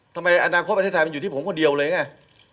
ทำไมอนาคตประเทศไทยมันอยู่ที่ผมคนเดียวเลยไง